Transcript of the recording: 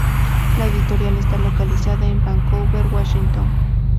La editorial está localizada en Vancouver, Washington.